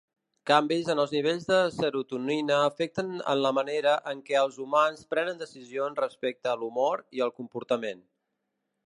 Canvis en els nivells de serotonina afecten en la manera en què els humans prenen decisions respecte a l'humor i al comportament.